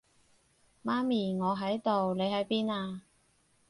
媽咪，我喺度，你喺邊啊？